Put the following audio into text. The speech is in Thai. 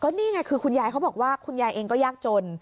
นี่ไงคือคุณยายเขาบอกว่าคุณยายเองก็ยากจน